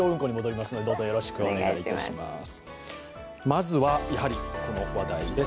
まずは、やはりこの話題です。